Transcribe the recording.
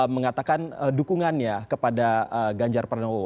mengatakan dukungannya kepada ganjar pranowo